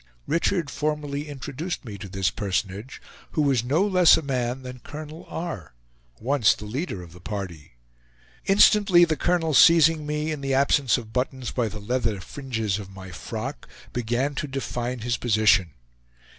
Richard formally introduced me to this personage, who was no less a man than Colonel R., once the leader of the party. Instantly the colonel seizing me, in the absence of buttons by the leather fringes of my frock, began to define his position.